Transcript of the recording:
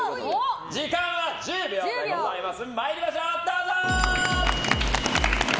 時間は１０秒でございます。